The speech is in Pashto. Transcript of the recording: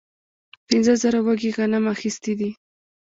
پنځه زره وږي غنم اخیستي دي.